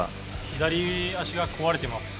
左脚が壊れてます。